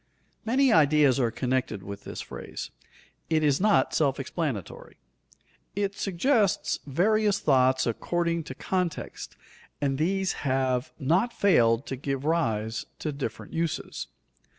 _ Many ideas are connected with this phrase. It is not self explanatory. It suggests various thoughts according to context and these have not failed to give rise to different uses.